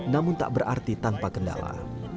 namun tak berarti tanpa kendala